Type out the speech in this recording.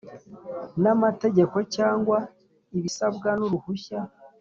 n amategeko cyangwa ibisabwa n uruhushya